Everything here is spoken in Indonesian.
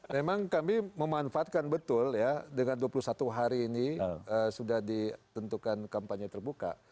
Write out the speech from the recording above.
memang kami memanfaatkan betul ya dengan dua puluh satu hari ini sudah ditentukan kampanye terbuka